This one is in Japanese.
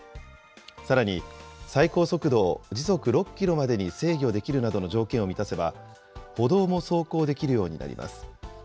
さらに最高速度を時速６キロまでに制御できるなどの条件を満たせば、歩道も走行できるようになります。